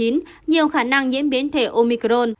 nhiều khả năng nhiễm biến thể omicron